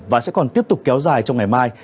và sẽ còn tiếp tục kéo dài trong ngày mai